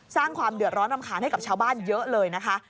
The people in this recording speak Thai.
สร้างความเดือดร้อนรำคาญให้กับชาวบ้านเยอะเลยนะคะ